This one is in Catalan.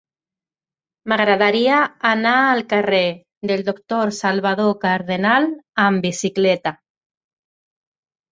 M'agradaria anar al carrer del Doctor Salvador Cardenal amb bicicleta.